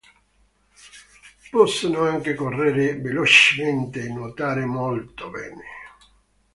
Possono anche correre velocemente e nuotare molto bene.